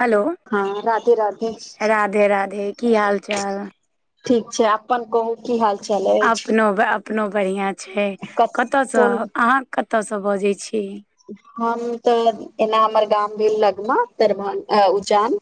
hello हँ राधे राधे राधे राधे की हाल चाल ठीक छै अप अपन कहुँ की हाल चाल अइ अपनो अपनो बढ़िआँ छै कत कतयसँ कोन अहाँ कतयसँ बजैत छी हम तऽ एना हमर गाम भेल लगमा दरभ उज्जैान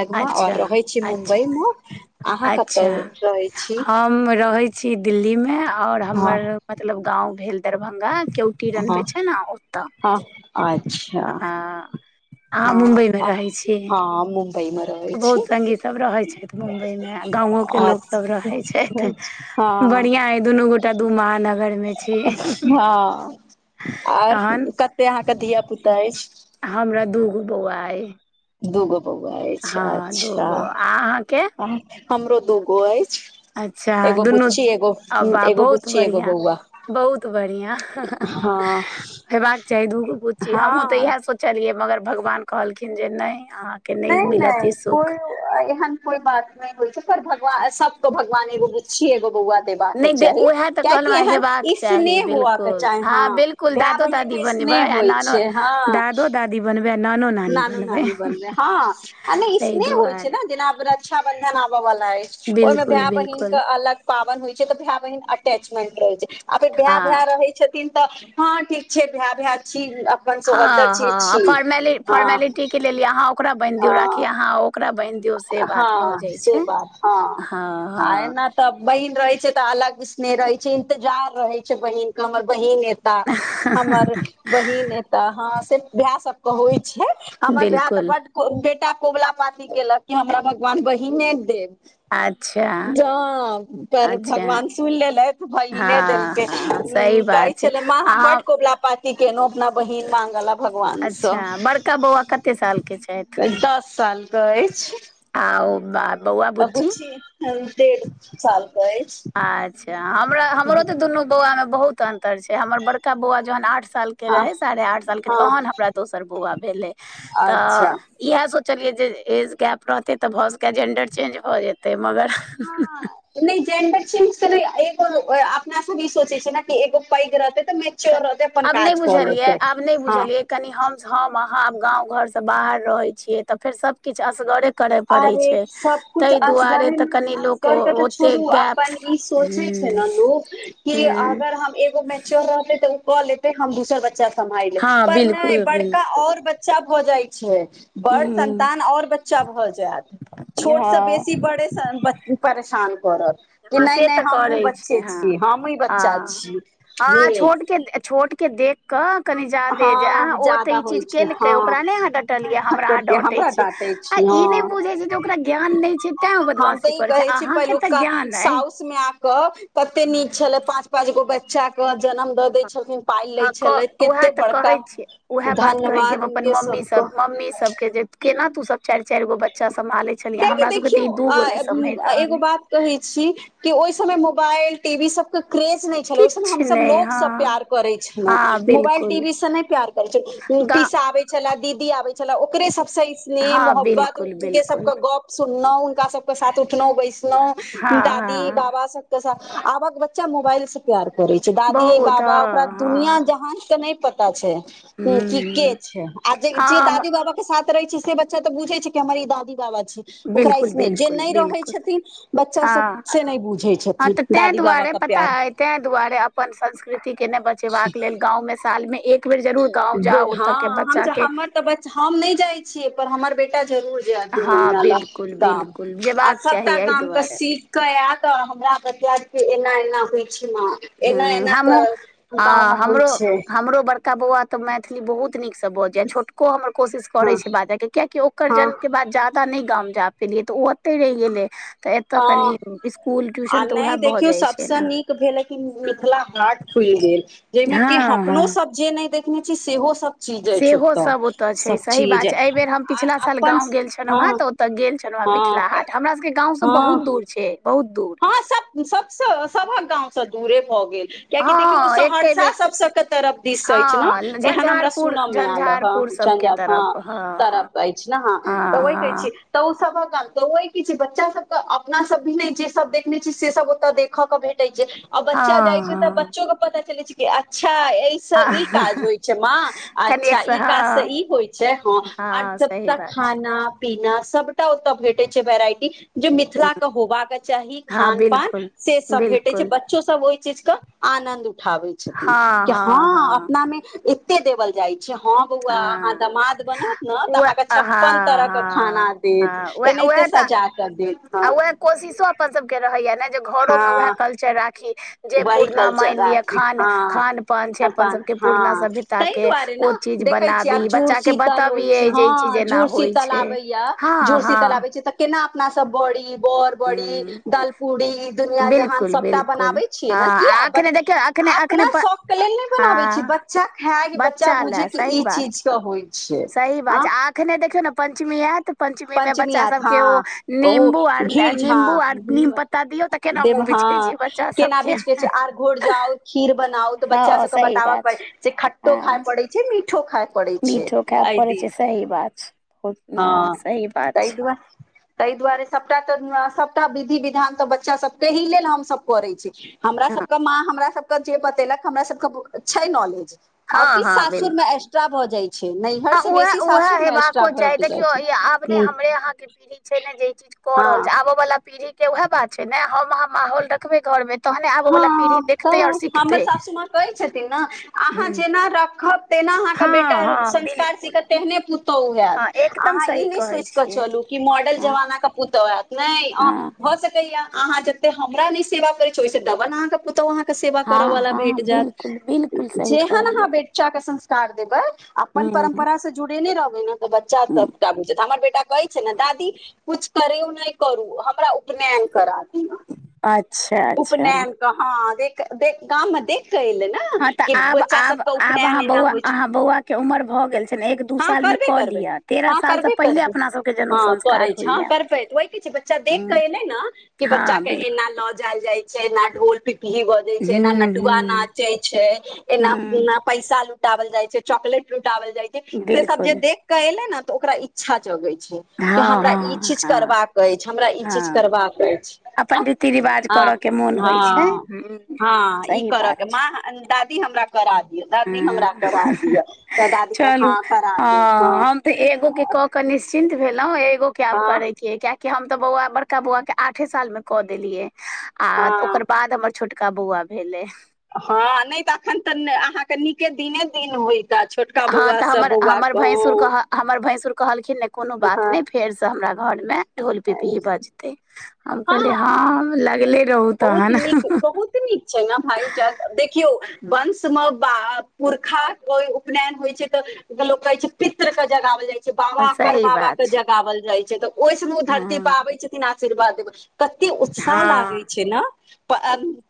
लग में अच्छा और रहै छी अच्छा मुम्बई में अहाँ कतौ अच्छा रहै छी हम रहै छी दिल्ली में आओर हँ हमर मतलब गाँव भेल दरभङ्गा केओ रन बे हँ छै ने ओतऽ हँ अच्छा ह अहाँ मुम्बईमें रहैत छीय आ पहिम बहुत सङ्गीत सब रहै छथि मुम्बइमे आ गामोके हँ लोकसब रहै छथि बढ़िआं हँ हइ दुनू गोटा दू महानगर में छी आर तहन कते अहाँके धिया पुता अछि हमरा दूगो बौआ अइ दूगो बौआ अछि हँ अच्छा दूगो आ अहाँके हमरो दूगो अछि अच्छा एगो दुनू बुच्ची एगो वाह एगो बहुत बुच्ची एगो बढ़िआँ बौआ बहुत बढ़िया हँ होेबाक चाही दूगो पु हमहहुँ तऽ हँ इएह सोच चलियै मगर भगवान कहलखिन जे नय अहाँ नय नय कोइ एहन कोइ बात नय होइ छै पर भगवान सबक भगवान एगो पुछि एगो बौआ देबाकाे नहि दे चाही उएह तऽ कियैकि कहलहुँ एहन हेबाक इसने चाही हुआ के बिलकुल चाही हँ बिलकुल भाय दादो बहिन दादी में इसने होइ छै हँ दऽ बनबै एना नन नन बन हँ ई ताहि स्नेह होइ छय दुआरे ने जेनारा शक्षा बंधन आबऽ बला आइछ ओहि में बिलकुल भाय बहिनक बिलकुल के अलग पावन होइ छै तऽ भाय बहिन अटैचमेंट रहै छै आ फ़ेर भाय हँ भाय रहै छै छथिन तऽ हँ ठीक छै भाय भाय छी अपन सोहदर हँ छी हँ छी फोर्म हँ फोर्मेलिटी के लेल अहाँ ओकरा बान्हि दियऔ हँ राखी अहाँ ओकरा बान्हि दिय हँ से बात हँ आय न तब बहिन रहे छै तऽ अलग विसनेह रहे छै इंतजार रहे छै बहिन के हमर बहिन ए तऽ हमर बहिन ए तऽ हँ से भाय सबके होइ छै हमर भाय तऽ बिलकुल बड बेटा कबुला पात केलक कऽ हमरा भगवान बहिने दे अच्छा ज पर अच्छा भगवान सुनि लेलै तऽ बहिने हँ देलकै हँ सही उ कहै बात छै छलै माँ हम अहाँ बड कबला पाती केेलौं अपना बहिन मंगला भगवानस अच्छा बड़का बौआ कते साल के छथि दस साल कह अछि आ बात अगू छी देढ़ साल कहै अच्छा हमरा हमरो तऽ दुनू बौआ में बहुत तऽ अंतर छै हमर बड़का बौआ जहन आठ साल के हँ रहे साढ़े आठ साल के हँ तहन हमरा दोसर बौआ भेले तऽ अच्छा इह सोचलिये जे एज गैप रहते ते भए सक जेंडर चेंज भए जेते मगर हँ नइ जेंडर एगो अपनासँ भी सोचै छै ने एगो पैघ रहतै तऽ मैच्योर रहतै अपन आब नइ काज कऽ बुझलियै लेतै आब नहि हँ बुझलियै कनि हम हम अहाँब गाँव घर से बाहर रहै छियै तऽ फेर सब किछ असगरे करय पड़ै अरे छै सबकुछ तहि दुआरे असगरे तऽ मे कनि लोक असगर के तऽ छोड़ू ओतेक गैप अपन ई सोचें छै ने ह लोग कि अगर हम एगो केओ रहितै तऽ ओ क लेते हम दोसर बच्चा सम्भाल लेब हँ पर नइ बिलकुल बड़का बिलकुल और बचा बच्चा भऽ जाइ छै ह बड़ संन्तान और बच्चा भऽ जा तऽ छोट से हँ बेसी बड़े परेशान करत कि हँ नहि से नहि तऽ हमहुँ करैत छै बच्चे हं छी हमही बच्चा हं छी ह हं छोटके छोटके देख की कनि जादे जे अहाँ हँ ओ जादा तऽ ई होइ चीज छै केलकै हँ ओकरा नहि अहाँ डाँटलियै हमरा अहाँ करके डाँटैत हमरा डाँटे छियै आ छी ई नइ हँ बुझै छै जे ओकरा ज्ञान नइ छै तैं ओ हम तऽ बदमाशी ई करै छै कहै अहाँके तऽ ज्ञान अइ के कते नीक छलै पाँच पाँच गो बच्चा के जनम दऽ दै छलिन पाइ लै हँ कह छलथि उएह तऽ कहे छियै उएह बात कहे छीयै हम अपन हुनके मम्मी सबके सब मम्मी सबके जे केना तू सब चाइर चाइर गो बच्चा सम्हाले छलियह कियाकि हमरा सबके तऽ ई दू गो नइ सम्हि देखियौ रहल एगो अे बात कहै छी कि ओइ समय मोबाइल टीवी सब के क्रेज नइ किछु हमस नहि लोक हँ सब प्यार करै छलहु हँ मोबाइल बिलकुल टीवी से नइ प्यार करै छल गा पीसा आबै छल छला दीदी आबै छलला ओकरे सबसँ स्नेह हँ मोहब्बत बिलकुल बिलकुल सबके गप सुनलहुं हुनका सबके साथ उठलहुं हँ बैसलहु दादी हँ बाबा सब कै आबक बच्चा मोबाइल से प्यार करै छै दादी बहुत बाबा ओकरा दुनिया हँ जहान के नइ पता छै ह क के हँ ह छै आ जे जे हँ दादी बाबा के साथ रहै छी से बच्चा तऽ बुझे छै अरी ई दादी बाबा छै ओकरा बिलकुल इसने जे बिलकुल नहि रहै बिलकुल छथिन बच्चा सब से नइ बुझै छथिन तां दादी दुआरे बाबा के पता प्यार अइ तें दुआरे अपन संस्कृति के नइ बचेबाक लेल गाँवमें साल में एक बेर जरूर गाँव जाउ ह ओतऽ के बच्चा के हमर तऽ हम नइ जाय छियै पर हमर बेटा जरूर जे दू हँ महीना लग बिलकुल गाम बिलकुल आ जेबाक चाही सबटा एहि गाम के दुआरे सीट तैया तऽ हमरा बतियात के एना एना होइ छै ने हं हमहूं होइ हमरो छै हमरो बड़का बौआ तऽ मैथिली बहुत नीकसँ ब जाय छोटको हमर कोशिश करै हँ छै बाजयके कियैकि ओकर हँ जन्म के बाद जा नइ गाम जा पेलै त ओ कते रहि गेलै तऽ एतय कनी हँ स्कुल आ ट्यूशन तऽ नहि उएह भऽ देखियौ जाइ छै सभसँ ने नीक भेल है कि मिथिला हाट खुल गेल जइमे कि हँ अपनो हँ सब जे नइ देखने छी सेहो सब चीज अछि सेहो ओतऽ सब ओतय छै सब सही चीज बात छै एहि बेर हम पिछला साल अपन गाँव गेल छलहुँ हेँ हँ तऽ तऽ गेल छलौ हेँ हँ मिथिला हाट हमरा सबके गाँं से हँ बहुत दूर छै बहुत दूर हँ सब सबसँ सबक गाँंव से दूरे भऽ गेल कियेकि देखियऔ ओ हँ एके सहरसा बेर सब सब के तरफ दिस अछि ने हँ एहन हमरा झंझारपुर सुनऽ मे आल झंझारपुर सभके ह ह तरफ हँ तर हँ अछि ने ह तऽ हँ ओहि कहै हँ छी तऽ ओ सभक काम तऽ ओ की छै बच्चा सब के अपना सब भी नइ छै सब देखने छी से सब ओत देख के भेटय छै आ बच्चा जाइ छै तऽ हँ बच्चो के पता चलै छै अच्छा ई से ई काज हँ होइ छै माँ अच्छा कनिक ई काज से हँ ई होइ छै हँ आर जब सही तक बात छै खाना पीना सबटा ओतऽ भेटय छै वेराइटी जे मिथिला के होबाक चाही हँ खान पान बिलकुल से सब भेटै छै बच बिलकुल बच्चो सब ओहि चीज के आनन्द उठाबै छथिन कि हँ अपना में देवल जाइ हँ बौआ अहाँ हँ दमाद बनत ने तऽ उएह अहाँके हँ छप्पन तरह के खाना हँ देत हँ ए उएह नहि त उएह तऽ सजा कर दे आ उएह कोशिशो अपन सभके रहैया ने जे घरोमे उएह हँ कलचर राखी जे वही पुरना मान कल्चर लिअ आथि खान हँ खान पान छै खान अपन सबके पुरना हँ सभ्यता ताहि के दुआरे ने ओ चीज देखै छियै बनाबी आब जुड़ बच्चा के शीतल होइ छै बतबियै जे ई चीज हँ एना जुड़ होइ शीतल छै आबैया हँ जुड़ हँ शीतल आबै छै तऽ केना अपना सब बड़ी बड़ बड़ी हूँ दाल पूड़ी इ दुनिया जहान बिल्कुल सबटा बिल्कुल बनाबी हँ अखने देखियौ अखने अखने प शौक के लेल नहि बनाबै छी हँ बच्चा खाय बच्चा बुझे ले कि सही ई बात चीज होइ छै सही बात छै अखने देखियौ ने पञ्चमी एयत पञ्चमी एत हँ ओ आर घीर झा निम्बू आर नीम धन्यवाद पत्ता दियौ तऽ केना देव मुँह बिझे हँ छै बच्चा केना सबके बीज के छै आर घोर जाउ खीर बनाउ तऽ बच्चा हँ सबके सही बताबऽ बात पड़ छै जे खट्टो खाय हँ पड़े छै मीठो खाय पड़ै छै मीठो खाय पड़ै एहिदी छै सही बात ओठना हँ सही बात ताहि छै दुआरे ताहि दुआरे सबटा तऽ सबटा विधि विधान तऽ बच्चा सबके एहि लेल हमसब करै छी हमरा हँ सबके माँ हमरा सबके जे बतेलक हमरा सबके छै नॉलेज और हँ किस हँ सासुर में बिल्कुल एक्स्ट्रा भ जाय छै नैहर से बेसी सासुर मे एसट्रा भऽ जाइ कियो छै इ आब ने ह हमरे यहाँ के पीढ़ी छै ने जे ई चीज क रहल हँ छै ओ वालला पीढ़ी के वएह बात छै ने हम अहाँ माहौल देखबे घर मे तहने आबा वालला पीढ़ी हँ देखतै आओर तऽ हमर सिखतै सासू माँ कहै छथिन ने अहाँ हूँ जेना रखब तेना अहाँके बेटा हँ हँ संस्कार बिलकुल सीखत तेहने पु तौ हैत हँ एकदम अहाँ सही ई नहि कहै सोचिकऽ छियै चलू कि मॉडल हँ जमाना के पुतौ एत ने अं हँ भ सकै या अहाँ जते हमरा न सेवा करे देखियो इ स डबल [unintelligible] पुतौ अहाके सेवा करऽ हँ वलला भेट हँ बिलकुल बिलकुल जायत सही जेहन अहा कहलियै बच्चा के संस्कार देबै अपन हूँ परम्परा से जुड़ेने रहबै ने तऽ बच्चा त हूँ का बुजता हमर बेटा कहै छै ने दादी कुछ करे नहि करू हमरा उपनयन करादियो अच्छा अच्छा हँ देख देख गाम मे देख कऽ एलै ने हँ तऽ कि आब बच्चा आब सबके आब उपनयन अहाँ एना बौआ होइ छै अहाँ बौआके उमर भऽ गेल छै ने एक दू सालमे कऽ करबै लिअ तेरह हँ सालसँ करबे पहिले करबे अपना सभके जनउ हँ करै संस्कार छै हँ होइए करबै तऽ ओहि की छै बच्चा देख हूँ कऽ एलै ने कि बच्चा हँ के बिल्कुल एना ल जल जाइ छै ना ढोल पिपही भऽ जाय छै एना हुँ नटुआ हुँ नाचै छै एना पुना हुँ पैसा लुटावल जाइ छै चॉकलेट लुटावल जाइ छै से सब जे बिल्कुल देख क एले ने तऽ ओकरा इच्छा जगै छै कि हँ हमरा ई हँ चीज हँ करबाक अछि हमरा ई चीज हँ करबाक अछि अपन रीति रिवाज आ ह करयके मोन ह होइ छै हुँ हुँ हं ई सही बात करके छै माँ दादी हमरा करा दिअ दादी हमरा करा हँ दिअ तऽ दादी कह चलू हँ करा देब हँ क के निश्चित भेलहु एगो कैब करे हँ किये कि हम तऽ बौआ बड़का बौआ के आठे साल में क देलिये आ हँ ओकर बाद हमर छोट कबुआ भेलै हँ नहि तऽ अखन तऽ अहाँके नीके दिने दिन होय एक छोटका हँ बौआ तऽ से हमर बौआ हमर भैंसुर कहों कह हमर भैंसुर कहलखिन नहि कोनो बात नहि फेरसँ हमरा घरमे ढोल पिपही बजतै हम कहलिय हँ हम लगले रहू बहुत तहन नीक बहुत नीक छै भाय देखियौ वंश मे ब पुरखा उपनयन होइ छै तऽ जेकरा लोक कहै छै पित्र सँ जगावल जाइ जे बाबा पर सही बाबा बात के छै जगओल जाय छै तऽ ओहि समय ओ धरती हँ पर आबै छथिन आशीर्वाद देबै कते उत्साह लागै हँ छै न प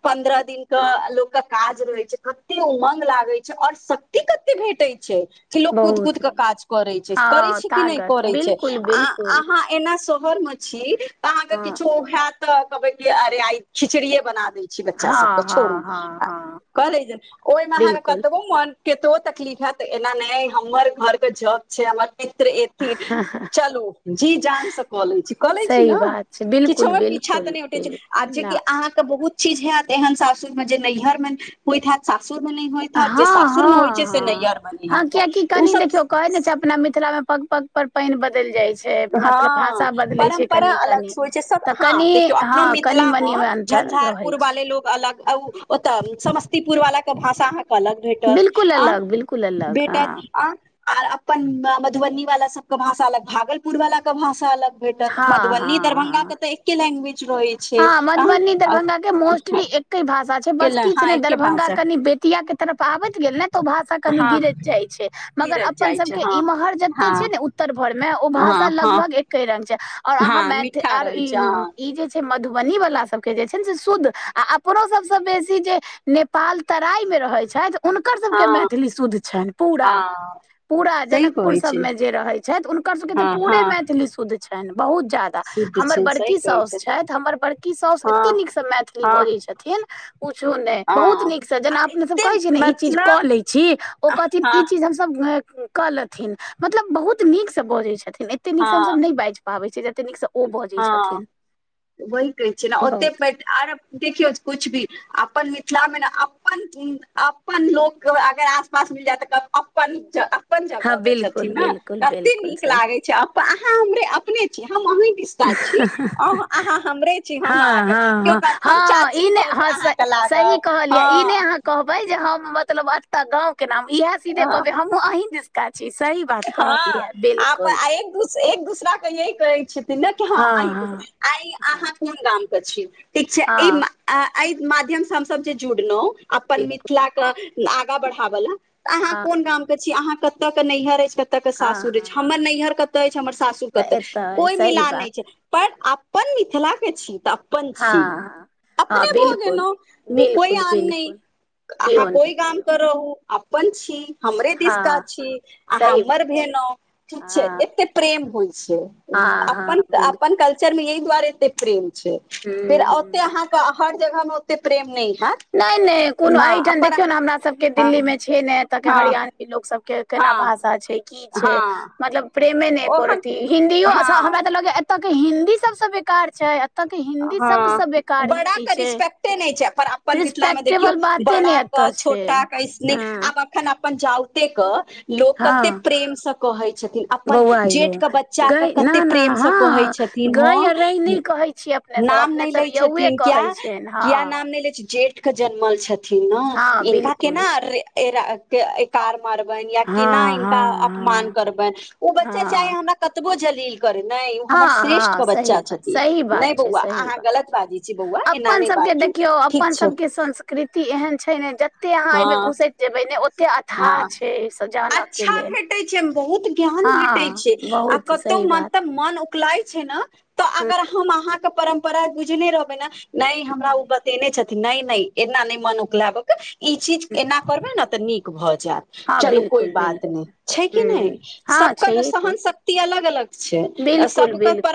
पन्द्रह दिनक के लोक के काज रहै छै कते उमङ्ग लागै छै आओर स [unintelligible] थी कते भेटै छै कि लोग कूद कूद बहुत के नीक काज करै छै करै हँ छै कि नहि तागत करै छै बिल्कुल आ बिल्कुल अहाँ एना शहर मे छी तऽ अहाँके हँ किछो हैत तऽ कहबै की अरे आइ खिचड़ीेये बना देै छी बच्चा सबके हँ छोड़ू हँ हँ आ हँ कहलै जे ओहिमे अहाँके बिल्कुल कतबो मन केतबो तकलिफ हैत तऽ एना ने हमर घरके जप छै हमर मित्र कि चलू जी जानसँ कऽ लै छी कऽ लै छी सही ने बात छै बिल्कुल छोट पीछा तऽ बिल्कुल नहि उठै छै बिल्कुल आ न जेकि अहाँके बहुत चीज हैत एहन सासुर मे जे नैहर मे होइत हैत सासुर मे नहि होइत हँ हैत जे सासुर मे होइत हँ छै से हँ नैहर मे नहि हँ होइत हैत कियकि तऽ कनि ओसभ देखियौ कहै ने छै अपना मिथिला मे पग पग पर पानि बदल जाय छै ए तऽ मतलब हँ भाषा बदलै छै परम्परा कनी कनी अलग होइ छै सब तऽ हँ कनी देखियौ अपनो हँ कनी मिथिला मे मनी ओकरा झंझारपुर वाले लोग अलग आ उ ओते समस्तीपुर वाला के भाषा अहाँ के अलग भेटत बिलकुल आ अलग बिलकुल अलग हँ भेटत आ आर अपन मधुबनी वाला सब के भाषा अलग भागलपुर वाला के भाषा अलग भेटत हँ हँ मधुबनी हँ दरभंगा के तऽ एके लैंग्वेज रहै छै हँ मधुबनी आ दरभंगा के मोस्टली एके भाषा छै बस केल किछु हँ ने एके दरभंगा भाषा कनि बे तिया के तरफ आबैत गेल ने तऽ ओ भाष कनी हँ गिरैत जाइ छै मगर कीरत अपन जाइ सब छै के हँ इम्हर हँ जते छै ने उत्तर भर मे ओ हँ भाषा हँ लगभग एके रंग छै और अहाँ हँ मैथ मिठ्ठा आर रहै ई छै हँ मधुबनी वला सबके जे छै ने से शुद्ध आ अपनो सबसँ बेसी जे नेपाल तराईमे रहै छथि हुनकर सभके हँ मैथिली शुद्ध छनि पूरा हँ पूरा सही जनकपुर कहै छै सबमे जे रहैत छथि हुनकर सभके तऽ हँ हँ पूरे मैथिली शुद्ध छनि बहुत जादा शुद्ध हमर छै सही बड़की कहै साउसु छै छथि हमर बड़की साउसु हँ एतेक नीकसँ मैथिली हँ बजै छथिन कुछो नहि बहुत हँ नीकसँ जेना आर अपने सब एते कहै छियै ने ई चीज कऽ मतलब लै छी ओ कहथिन हँ ई चीज हम कऽ लेथिन मतलब बहुत नीक से बजै छथिन एते नीक से हँ हमसब नहि बाजि छी पाबै छै जतेक नीकसँ ओ बजै हँ छथिन वही कहै छियै ने ओते बहुत आर देखियौ किछु भी अपन मिथिलामे ने अपन अपन लोक अगर आसपास मिल जाय तऽ कहत अपन अपन हँ जगह के बिल्कुल छथिन ने बिल्कुल कते बिल्कुल नीक सही लागे छै अहाँ हमरे अपने छियै हम अहीं के छी छी अहाँ हमरे छी हम हँ अहाँके हँ छी केयो हँ कहत हम हँ चाची ई ने भऽ हँ स तऽ सही लागब कहलियै ई नहि हँ अहाँ कहबै जे हम मतलब एता गाँं के नाम इएहे सीधे हँ कहबे हमहुँ अहीं दिस का छी सही बात कहलियै हँ ये आप बिल्कुल आ- एक एक दोसरा के यही कहै छथिन ने कि हँ अहींस अहीं हँ अहाँ कोन गाम के छी ठीक छै ई हँ एहि माध्यम से हमसब जे जुड़लौं अपन मि बिलकुल मिथिला के आगा बढ़ाब ले तऽ अहाँ हँ कोन गाम हँ के छी अहाँ कते के नैहर अछि कऽ के हँ सासुर रहै छै हँ हमर नैहर कतऽ अछि हमर सासू तऽ कते एतय अइ कोइ सही मिलान नहि बात छै पर अपन मिथिलाके छी तऽ अप पन हँ छी हँ हँ अपने भऽ बिलकुल गेलौं कोइ बिलकुल आन नहि बिलकुल अहाँ कियो नहि कोइ गाम कियो स रहू अपन छी हमरे नहि दिसका हँ छी अहाँ सही बात छै भेनौ ठीक छै हँ एते प्रेम होइ छै हँ हँ अपन तऽ बिलकुल अपन कल्चर मे य ही दुआरे एते प्रेम छै फेर हूँ ओते हूँ अहाँ हर जगह मे ओते प्रेम न हयैत नहि नहि कोनो एहिठाम देखियौ ने हमरा सबके हँ दिल्ली मे छै ने एतऽ के हरियाणा के लोक सभ के केना भाषा छै की छै मतलब प्रेमे नहि कर अथ हिन्दियो अच्छ हमरा हँ तऽ लगै एतऽके हिन्दी सबसँ बेकार छैऽ एतऽ के हिन्दी सबस बेकार हिन्दी छै एते नहि छै पर अपन मिथिला मे देखियौ रिस्पेक्टेबल बाते बड़ा ने क एतऽ छै छोटा कसने हँ आब अपन अखन अपन जाउते के लोक कते हँ प्रेम से कहै छथिन अपन बौआ यौ जेठ के बच्चा के गय न कते न प्रेम से कहै हँ छथिन गय आ रहि नहि हँ कहै छिए नाम नहि लै छथिन क्या हँ किया नाम जेठ के जन्मल छथिन ने हँ इनका केना बिल्कुल अरे के एकार मारबनि या केना हँ इनका अपमान हँ करबनि ओ हँ बच्चा हँ चाहे हम कतबो जलील करै नहि ओ हँ हमर श्रेष्ठ हँ के सही बच्चा बात सही छथिन बात नाए छै सही अहाँ बात गलत बाजै छी बौआ एना अपन नहि सबके बाजू देखियौ ठीक अपन छै सबके संस्कृति एहन छै ने जते अहाँ हँ एहिमे घुसैत जेबै ने ओत कते हँ अथा छै सब जानऽ के अच्छा लेल भेटै छै बहुत ज्ञान [inaudible] भेटै हँ छै आ बहुत तऽ सही कतहु बात मतलब मन उकलाय छै ने तऽ हँ अगर हम अहाँके परम्परा बुझने रहबै ने नहि हमरा ओ बतेने छथिन नहि नहि एना नहि मन उकलायबक ई चीज एना करबै ने तऽ नीक भऽ जायत हँ चलू कोइ बिल्कुल बिल्कुल बात नहि छै कि नहि हूँ हँ सबके छैहे की सहन शक्ति अलग अलग छै बिल्कुल सबके बिल्कुल पर